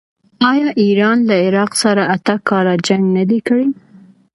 آیا ایران له عراق سره اته کاله جنګ نه دی کړی؟